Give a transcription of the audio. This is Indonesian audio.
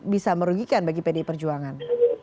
bisa merugikan bagi pdi perjuangan